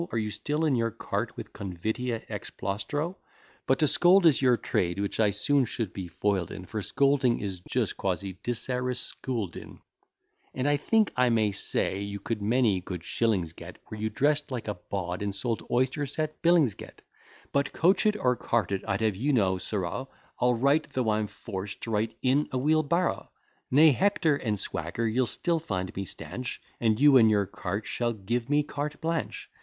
Are you still in your cart with convitia ex plaustro? But to scold is your trade, which I soon should be foil'd in, For scolding is just quasi diceres school din: And I think I may say, you could many good shillings get, Were you drest like a bawd, and sold oysters at Billingsgate; But coach it or cart it, I'd have you know, sirrah, I'll write, though I'm forced to write in a wheelbarrow; Nay, hector and swagger, you'll still find me stanch, And you and your cart shall give me carte blanche.